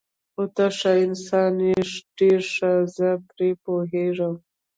خو ته ښه انسان یې، ډېر ښه، زه پرې پوهېږم.